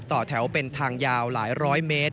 ต่อแถวเป็นทางยาวหลายร้อยเมตร